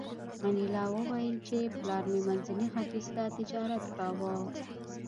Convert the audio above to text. انیلا وویل چې پلار مې منځني ختیځ ته تجارت کاوه